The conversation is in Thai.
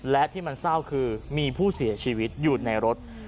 และที่มันเศร้าคือมีผู้เสียชีวิตอยู่ในรถ